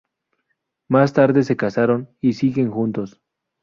Más tarde se casaron, y siguen juntos.